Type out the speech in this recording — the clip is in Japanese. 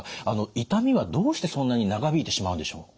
痛みはどうしてそんなに長引いてしまうんでしょう？